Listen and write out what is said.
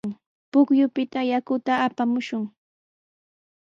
Pukyupita yakuta apamushun.